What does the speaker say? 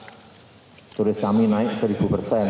turis kami naik seribu persen